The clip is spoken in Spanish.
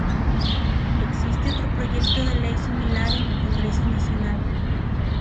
Existe otro proyecto de ley similar en el Congreso Nacional.